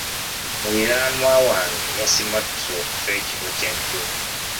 Muliraanwa wange yasimattuse okufa ekiro Kya jjo.